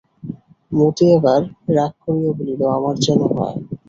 মতি এবার রাগ করিয়া বলিল, আমার যেন হয়!